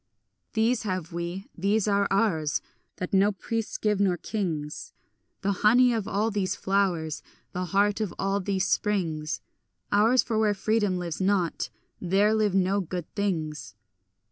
These have we, these are ours, That no priests give nor kings; The honey of all these flowers, The heart of all these springs; Ours, for where freedom lives not, there live no good things.